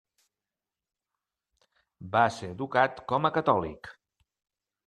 Va ser educat com a catòlic.